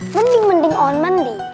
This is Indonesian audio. mending mending on mandi